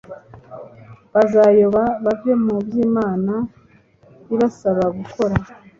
bazayoba bave mu by’Imana ibasaba gukora.